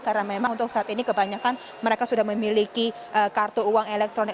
karena memang untuk saat ini kebanyakan mereka sudah memiliki kartu uang elektronik